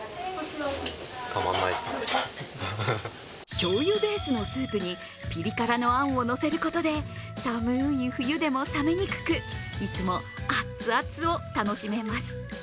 しょうゆベースのスープにピリ辛のあんを乗せることで寒い冬でも冷めにくくいつもアッツアツを楽しめます。